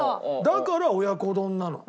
だから親子丼なの。